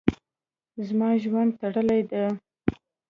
زما ژوند تړلی ده.